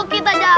yuk kita jalan